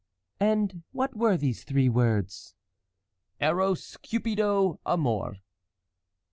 "And what were these three words?" "Eros, Cupido, Amor."